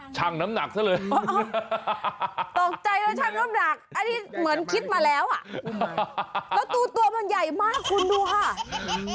ช่างน้ำหนักซะเลยตกใจแล้วช่างน้ำหนักอันนี้เหมือนคิดมาแล้วอ่ะแล้วตัวมันใหญ่มากคุณดูค่ะ